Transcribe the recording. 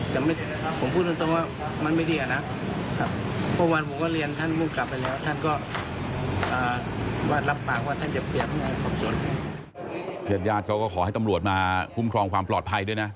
ญาติญาติเขาก็ขอให้ตำรวจมาคุ้มครองความปลอดภัยด้วยนะ